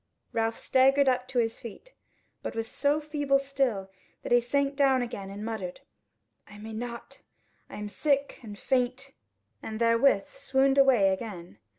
Ralph staggered up to his feet, but was so feeble still, that he sank down again, and muttered: "I may not; I am sick and faint;" and therewith swooned away again.